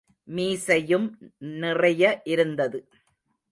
மீசையும் நிறைய இருந்தது.